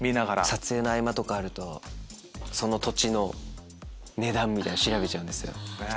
撮影の合間とかあるとその土地の値段みたいなの調べちゃうんですよ。